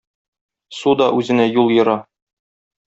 Су да үзенә юл ера.